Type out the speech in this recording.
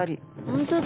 本当だ。